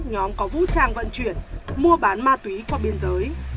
nhóm có vũ trang vận chuyển mua bán ma túy qua biên giới